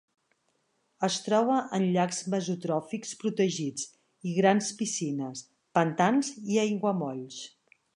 Es troba en llacs mesotròfics protegits i grans piscines, pantans i aiguamolls.